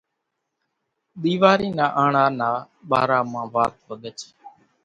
ۮيوارِي نا آنڻا نا ٻارا مان وات وڳچ